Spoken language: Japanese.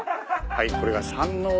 はい。